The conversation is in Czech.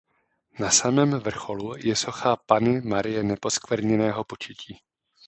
Na samém vrcholu je socha Panny Marie Neposkvrněného početí.